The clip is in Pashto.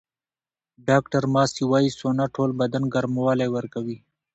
ډاکټره ماسي وايي، سونا ټول بدن ګرموالی ورکوي.